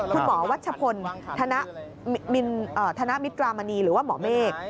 คุณหมอวัชชะพลธนามิตรามณีหรือว่าหมอเมฆ